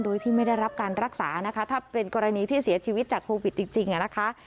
โดยที่ไม่ได้รับการรักษานะคะถ้าเป็นกรณีที่เสียชีวิตจากโควิดจริงนะคะ